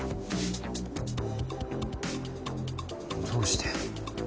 どうして。